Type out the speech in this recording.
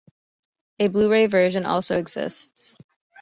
A Blu-ray version also exists.